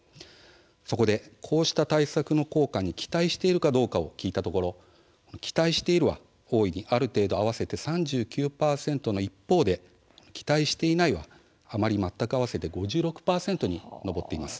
そこで、こうした対策の効果に期待しているかどうかを聞いたところ、期待しているは大いに、ある程度を合わせて３９％の一方で期待していないはあまり、全くを合わせて５６％に上りました。